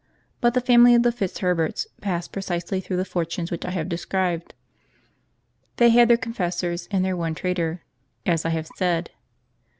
But the family of the FitzHerberts passed precisely through the fortunes which I have described ; they had their confessors and their one traitor, (as I have said).